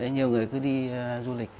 nhiều người cứ đi du lịch